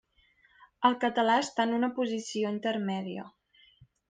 El català està en una posició intermèdia.